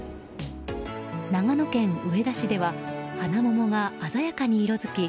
長野県上田市ではハナモモが鮮やかに色づき